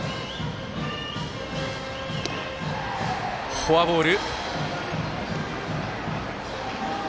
フォアボール。